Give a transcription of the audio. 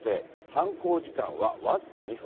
犯行時間は僅か２分。